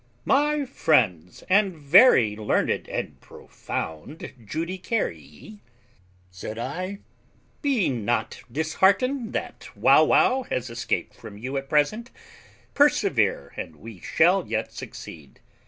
_ "My friends, and very learned and profound Judiciarii," said I, "be not disheartened that Wauwau has escaped from you at present: persevere, and we shall yet succeed.